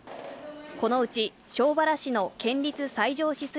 このうち、庄原市の県立西城紫水